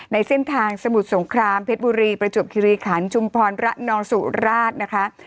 ในเส้นทางสมุทรสงครามเพชรบุรีประจวบคิริขันชุมพรระนองสุราชนะคะ